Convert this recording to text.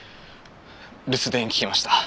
留守電聞きました。